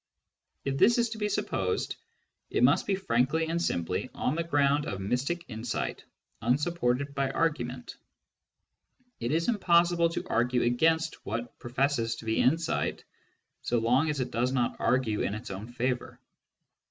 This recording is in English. If this is to be supposed, it must be frankly and simply on the ground of mystic insight unsupported by argument. It is impossible to argue against what professes to be insight, so long as it does not argue in its own favour.